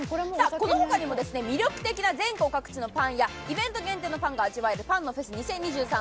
この他にも魅力的な全国各地のパンやイベント限定のパンが味わえるパンのフェス２０２３